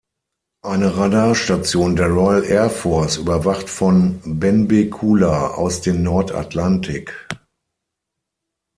Eine Radarstation der Royal Air Force überwacht von Benbecula aus den Nordatlantik.